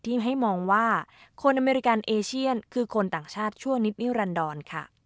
ให้มองว่าคนอเมริกันเอเชียนคือคนต่างชาติชั่วนิดนิรันดรค่ะ